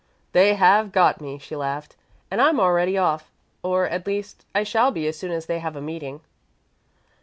"They have got me," she laughed, "and I'm already off or, at least, I shall be as soon as they have a meeting."